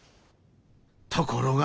ところが。